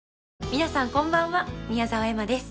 皆さんこんばんは宮澤エマです。